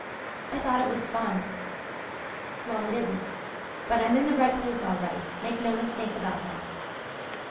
I thought it was fun. Well, it isn't! But I'm in the right place all right make no mistake about that.